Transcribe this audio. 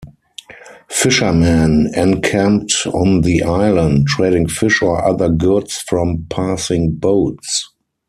Fishermen encamped on the island, trading fish for other goods from passing boats.